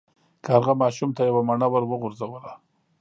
کارغه ماشوم ته یوه مڼه وغورځوله.